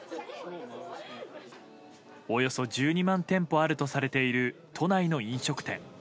およそ１２万店舗あるとされている都内の飲食店。